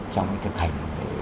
trong thực hành